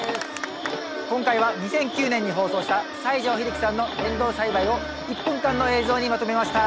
今回は２００９年に放送した西城秀樹さんのエンドウ栽培を１分間の映像にまとめました。